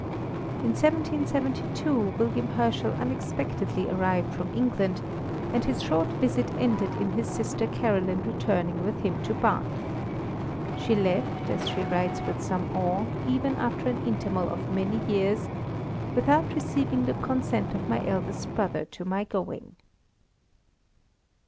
In 1772 William Herschel unexpectedly arrived from England, and his short visit ended in his sister Caroline returning with him to Bath. She left, as she writes with some awe, even after an interval of many years, "without receiving the consent of my eldest brother to my going."